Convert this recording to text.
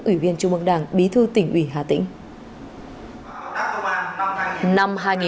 ủy viên trung mương đảng bí thư tỉnh ủy hà tĩnh